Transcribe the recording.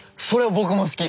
僕も好き。